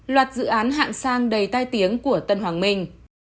loạt dự án hạng sang đầy tai tiếng của tân hoàng minh